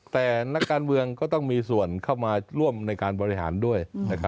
แต่นักการเมืองก็ต้องมีส่วนเข้ามาร่วมในการบริหารด้วย